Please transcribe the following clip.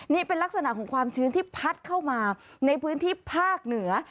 นี่เป็นลักษณะของความชื้นที่พัดเข้ามาในพื้นที่ภาคเหนือ